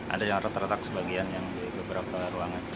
ada yang retak retak sebagian yang beberapa ruangan